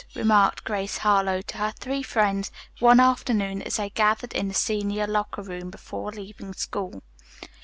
remarked Grace Harlowe to her three friends one afternoon as they gathered in the senior locker room, before leaving school.